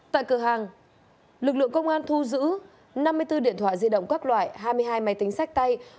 tại cửa hàng lực lượng công an thu giữ năm mươi bốn điện thoại di động các loại hai mươi hai máy tính sách tay